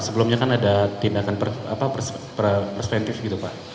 sebelumnya kan ada tindakan perspektif gitu pak